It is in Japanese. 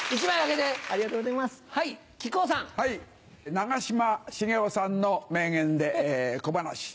長嶋茂雄さんの名言で小噺。